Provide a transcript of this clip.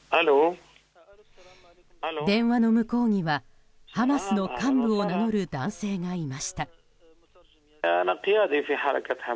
電話の向こうにはハマスの幹部を名乗る男性がいました。